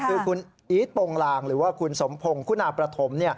คือคุณอีทโปรงลางหรือว่าคุณสมพงศ์คุณาประถม